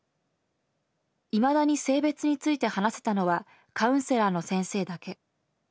未だに性別について話せたのはカウンセラーの先生だけ。